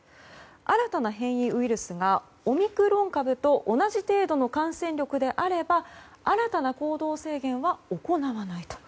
新たな変異ウイルスがオミクロン株と同じ程度の感染力であれば新たな行動制限は行わないと。